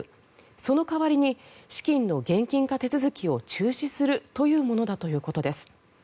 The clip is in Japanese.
その代わりに資金の現金化手続きを中止するというものだということです。